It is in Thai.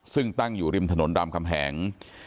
ซึ่งตั้งอยู่ริมถนนรามคำแหง